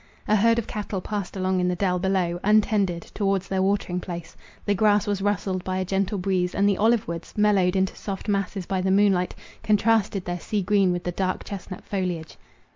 A herd of cattle passed along in the dell below, untended, towards their watering place—the grass was rustled by a gentle breeze, and the olive woods, mellowed into soft masses by the moonlight, contrasted their sea green with the dark chestnut foliage.